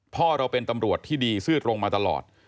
พ่อเราเป็นตำรวจที่ดีซื่อตรงมาตลอด